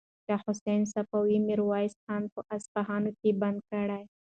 شاه حسین صفوي میرویس خان په اصفهان کې بندي کړ.